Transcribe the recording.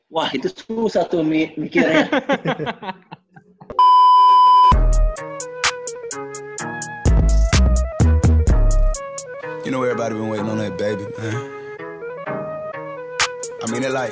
wah itu susah tuh mikirnya